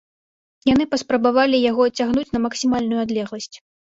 Яны паспрабавалі яго адцягнуць на максімальную адлегласць.